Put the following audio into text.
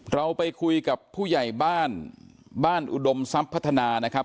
เราไปคุยกับผู้ใหญ่บ้านบ้านอุดมทรัพย์พัฒนานะครับ